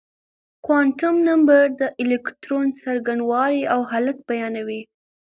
کوانتم نمبرونه د الکترون څرنګوالی او حالت بيانوي.